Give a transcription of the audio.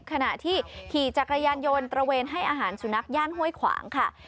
ขณะที่ขี่จักรยานยนต์ตระเวนให้อาหารสุนัขย่านห้วยขวางค่ะ